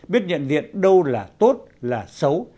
biết nhận diện đâu là tốt là xấu